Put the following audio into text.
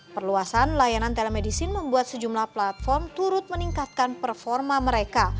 perluasan layanan telemedicine membuat sejumlah platform turut meningkatkan performa mereka